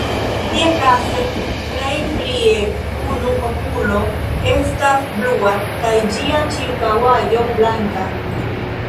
Tie kaze plej plie unu okulo estas blua, kaj ĝia ĉirkaŭaĵo blanka.